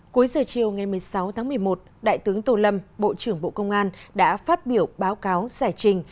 cuối giờ chiều ngày một mươi sáu tháng một mươi một đại tướng tô lâm bộ trưởng bộ công an đã phát biểu báo cáo giải trình